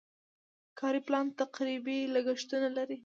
کاري پلان تقریبي لګښتونه لري.